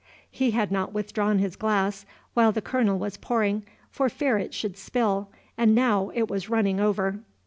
He had not withdrawn his glass, while the Colonel was pouring, for fear it should spill, and now it was running over.